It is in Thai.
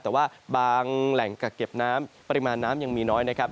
แต่ว่าบางแหล่งกักเก็บน้ำปริมาณน้ำยังมีน้อยนะครับ